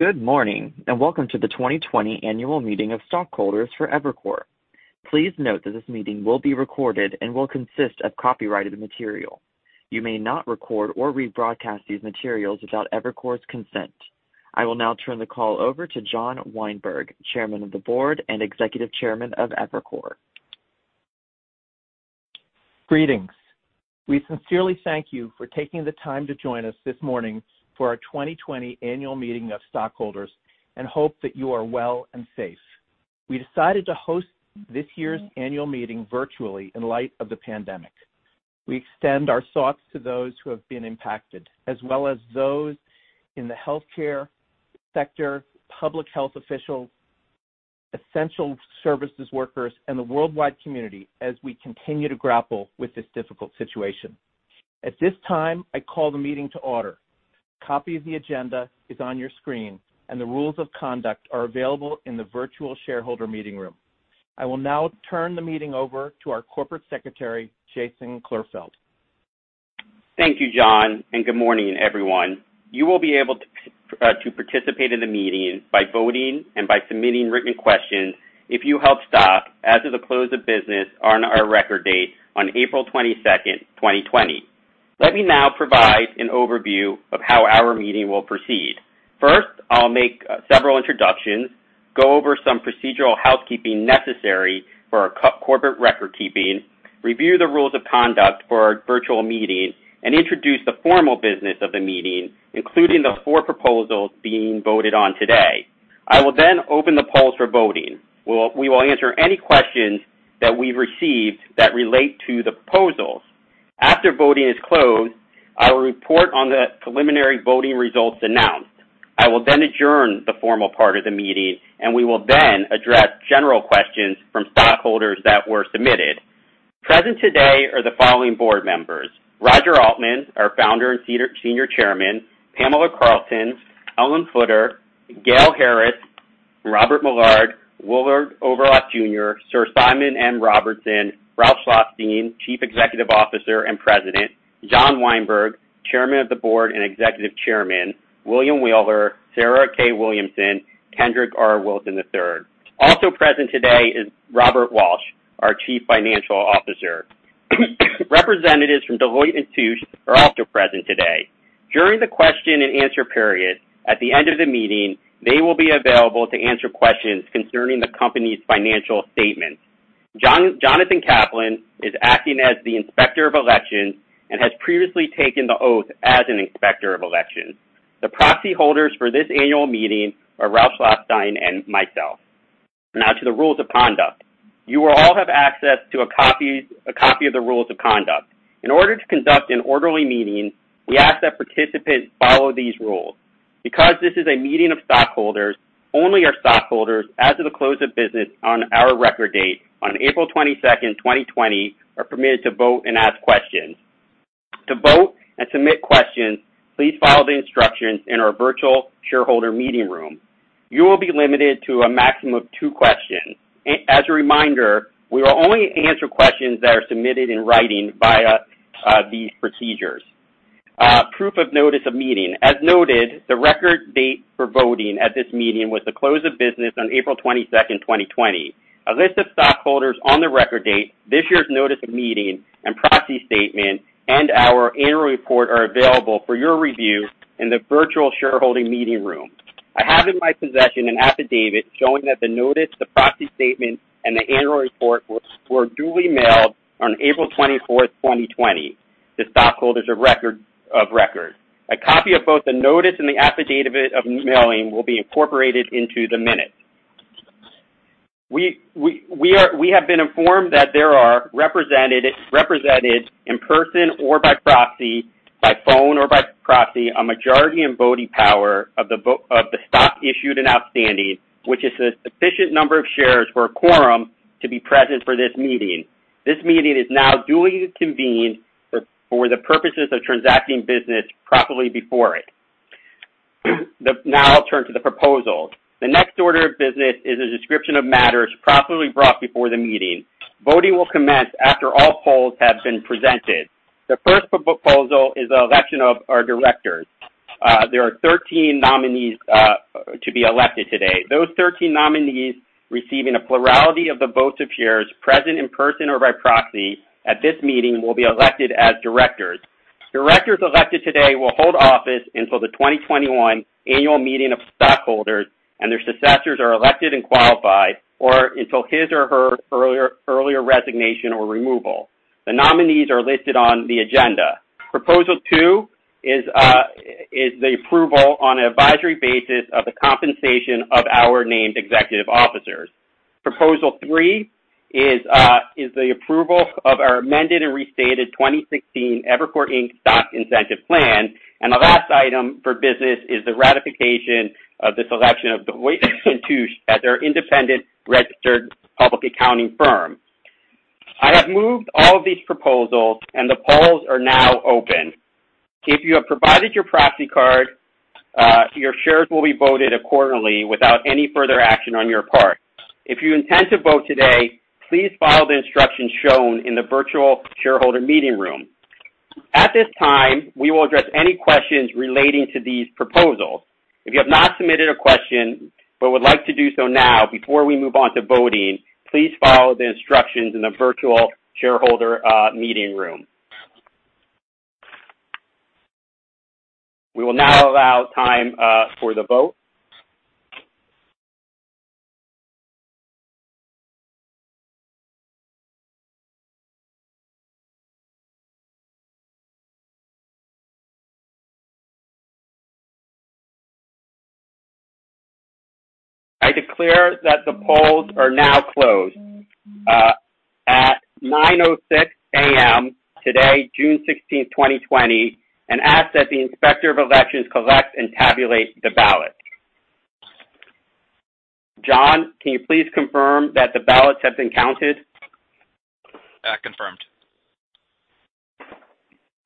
Good morning, welcome to the 2020 annual meeting of stockholders for Evercore. Please note that this meeting will be recorded and will consist of copyrighted material. You may not record or rebroadcast these materials without Evercore's consent. I will now turn the call over to John Weinberg, Chairman of the Board and Executive Chairman of Evercore. Greetings. We sincerely thank you for taking the time to join us this morning for our 2020 annual meeting of stockholders and hope that you are well and safe. We decided to host this year's annual meeting virtually in light of the pandemic. We extend our thoughts to those who have been impacted, as well as those in the healthcare sector, public health officials, essential services workers, and the worldwide community as we continue to grapple with this difficult situation. At this time, I call the meeting to order. A copy of the agenda is on your screen, and the rules of conduct are available in the virtual shareholder meeting room. I will now turn the meeting over to our Corporate Secretary, Jason Klurfeld. Thank you, John, and good morning, everyone. You will be able to participate in the meeting by voting and by submitting written questions if you held stock as of the close of business on our record date on April 22nd, 2020. Let me now provide an overview of how our meeting will proceed. First, I'll make several introductions, go over some procedural housekeeping necessary for our corporate record keeping, review the rules of conduct for our virtual meeting, and introduce the formal business of the meeting, including the four proposals being voted on today. I will then open the polls for voting. We will answer any questions that we've received that relate to the proposals. After voting is closed, I will report on the preliminary voting results announced. I will then adjourn the formal part of the meeting, and we will then address general questions from stockholders that were submitted. Present today are the following board members: Roger Altman, our Founder and Senior Chairman, Pamela Carlton, Ellen Futter, Gail Harris, Robert Millard, Willard Overlock Jr, Sir Simon M. Robertson, Ralph Schlosstein, Chief Executive Officer and President, John Weinberg, Chairman of the Board and Executive Chairman, William Wheeler, Sarah K. Williamson, Kendrick R. Wilson III. Also present today is Robert Walsh, our Chief Financial Officer. Representatives from Deloitte & Touche are also present today. During the question-and-answer period at the end of the meeting, they will be available to answer questions concerning the company's financial statements. Jonathan Kaplan is acting as the Inspector of Elections and has previously taken the oath as an Inspector of Elections. The proxy holders for this annual meeting are Ralph Schlosstein and myself. Now to the rules of conduct. You will all have access to a copy of the rules of conduct. In order to conduct an orderly meeting, we ask that participants follow these rules. Because this is a meeting of stockholders, only our stockholders as of the close of business on our record date on April 22nd, 2020, are permitted to vote and ask questions. To vote and submit questions, please follow the instructions in our virtual shareholder meeting room. You will be limited to a maximum of two questions. As a reminder, we will only answer questions that are submitted in writing via these procedures. Proof of notice of meeting. As noted, the record date for voting at this meeting was the close of business on April 22nd, 2020. A list of stockholders on the record date, this year's notice of meeting and proxy statement, and our annual report are available for your review in the virtual shareholder meeting room. I have in my possession an affidavit showing that the notice, the proxy statement, and the annual report were duly mailed on April 24th, 2020 to stockholders of record. A copy of both the notice and the affidavit of mailing will be incorporated into the minutes. We have been informed that there are represented in-person or by proxy, by phone or by proxy, a majority in voting power of the stock issued and outstanding, which is a sufficient number of shares for a quorum to be present for this meeting. This meeting is now duly convened for the purposes of transacting business properly before it. Now I'll turn to the proposals. The next order of business is a description of matters properly brought before the meeting. Voting will commence after all polls have been presented. The first proposal is the election of our directors. There are 13 nominees to be elected today. Those 13 nominees receiving a plurality of the votes of shares present in person or by proxy at this meeting will be elected as directors. Directors elected today will hold office until the 2021 annual meeting of stockholders and their successors are elected and qualified, or until his or her earlier resignation or removal. The nominees are listed on the agenda. Proposal two is the approval on an advisory basis of the compensation of our named executive officers. Proposal three is the approval of our Amended and Restated 2016 Evercore Inc. Stock Incentive Plan. The last item for business is the ratification of the selection of Deloitte & Touche as our independent registered public accounting firm. I have moved all of these proposals, and the polls are now open. If you have provided your proxy card, your shares will be voted accordingly without any further action on your part. If you intend to vote today, please follow the instructions shown in the virtual shareholder meeting room. At this time, we will address any questions relating to these proposals. If you have not submitted a question but would like to do so now before we move on to voting, please follow the instructions in the virtual shareholder meeting room. We will now allow time for the vote. I declare that the polls are now closed at 9:06 A.M. today, June 16th, 2020, and ask that the Inspector of Elections collect and tabulate the ballot. Jon, can you please confirm that the ballots have been counted? I confirmed.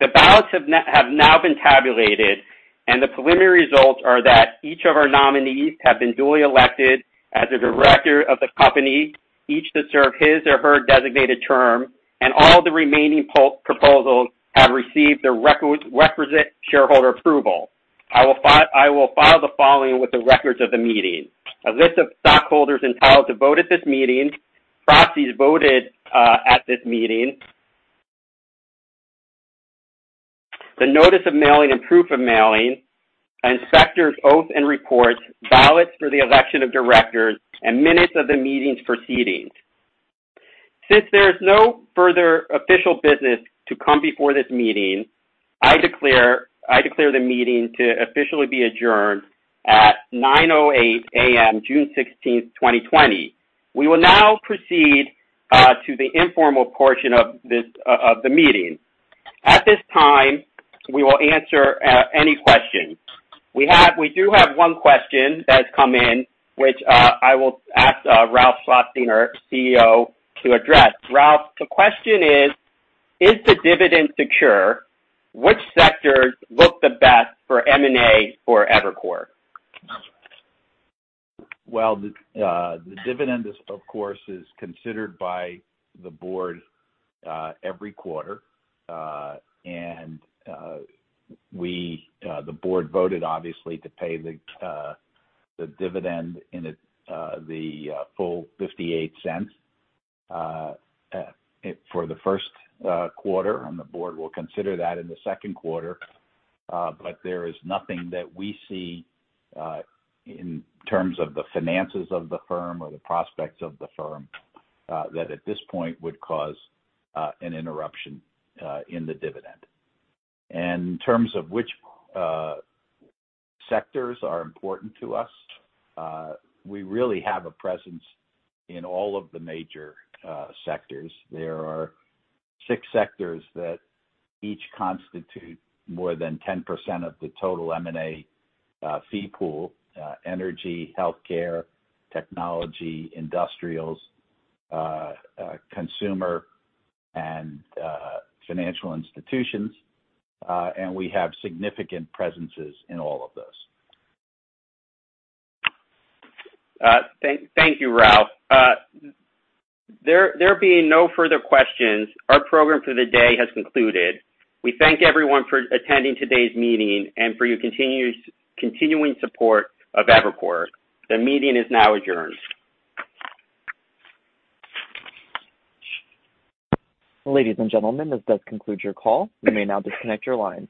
The ballots have now been tabulated, and the preliminary results are that each of our nominees have been duly elected as a director of the company, each to serve his or her designated term, and all the remaining proposals have received the requisite shareholder approval. I will file the following with the records of the meeting. A list of stockholders entitled to vote at this meeting, proxies voted at this meeting, the notice of mailing and proof of mailing, inspector's oath and reports, ballots for the election of directors, and minutes of the meeting's proceedings. Since there's no further official business to come before this meeting, I declare the meeting to officially be adjourned at 9:08 A.M., June 16th, 2020. We will now proceed to the informal portion of the meeting. At this time, we will answer any questions. We do have one question that's come in, which I will ask Ralph Schlosstein, our CEO, to address. Ralph, the question is: Is the dividend secure? Which sectors look the best for M&A for Evercore? Well, the dividend, of course, is considered by the board every quarter. The board voted, obviously, to pay the dividend in the full $0.58 for the first quarter, and the board will consider that in the second quarter. There is nothing that we see in terms of the finances of the firm or the prospects of the firm that at this point would cause an interruption in the dividend. In terms of which sectors are important to us, we really have a presence in all of the major sectors. There are six sectors that each constitute more than 10% of the total M&A fee pool: energy, healthcare, technology, industrials, consumer, and financial institutions. We have significant presences in all of those. Thank you, Ralph. There being no further questions, our program for the day has concluded. We thank everyone for attending today's meeting and for your continuing support of Evercore. The meeting is now adjourned. Ladies and gentlemen, this does conclude your call. You may now disconnect your lines.